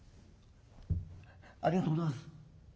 ありがとうございます。